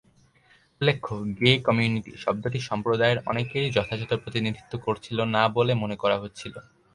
উল্লেখ্য, "gay community" শব্দটি সম্প্রদায়ের অনেকেরই যথাযথ প্রতিনিধিত্ব করছিল না বলে মনে করা হচ্ছিল।